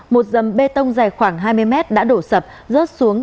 một dầm bê tông dài khoảng hai mươi mét đã đổ sập rớt xuống